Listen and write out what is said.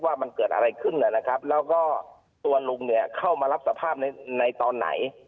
ว่ามันเกิดอะไรขึ้นนะครับแล้วก็ตัวลุงเนี่ยเข้ามารับสภาพในตอนไหน